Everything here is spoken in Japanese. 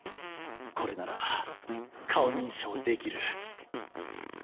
これなら顔認証できる。